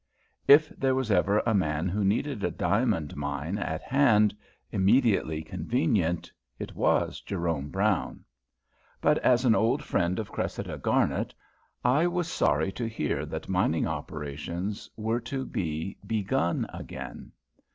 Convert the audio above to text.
If there was ever a man who needed a diamond mine at hand, immediately convenient, it was Jerome Brown. But as an old friend of Cressida Garnet, I was sorry to hear that mining operations were to be begun again.